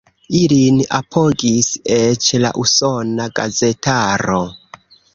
Ilin apogis eĉ la usona gazetaro.